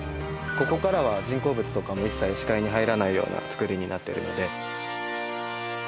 ここからは人工物とかも一切視界に入らないような造りになってるので。